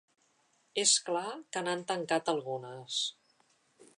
És clar que n’han tancat algunes.